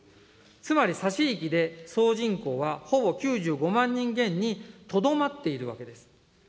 つまり差し引きで、総人口は、ほぼ９５万人減にとどまっているわけです。